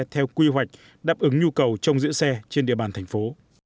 theo quy hoạch đáp ứng nhu cầu trong giữ xe trên địa bàn thành phố